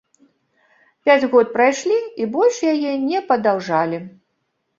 Пяць год прайшлі, і больш яе не падаўжалі.